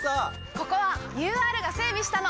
ここはＵＲが整備したの！